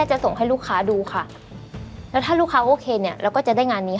จะส่งใครไปดี